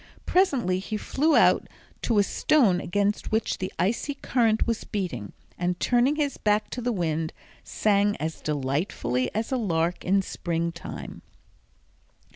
Presently he flew out to a stone against which the icy current was beating, and turning his back to the wind, sang as delightfully as a lark in springtime.